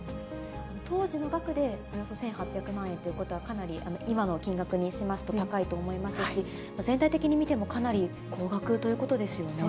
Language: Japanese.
当時の額でおよそ１８００万円ということは、かなり今の金額にしますと高いと思いますし、全体的に見ても、そうですね。